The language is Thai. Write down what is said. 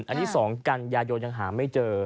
อันนี้๒กันยายนยังหาไม่เจอ